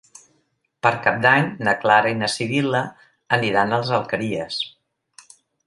Per Cap d'Any na Clara i na Sibil·la aniran a les Alqueries.